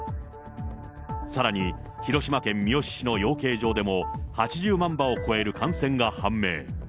さらに、広島県三次市の養鶏場でも、８０万羽を超える感染が判明。